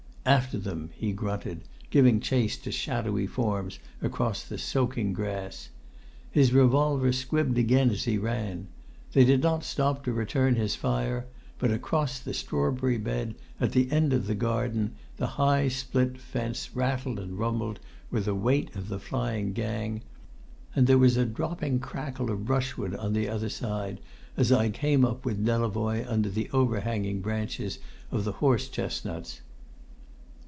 "After them!" he grunted, giving chase to shadowy forms across the soaking grass. His revolver squibbed again as he ran. They did not stop to return his fire; but across the strawberry bed, at the end of the garden, the high split fence rattled and rumbled with the weight of the flying gang; and there was a dropping crackle of brushwood on the other side, as I came up with Delavoye under the overhanging branches of the horse chestnuts.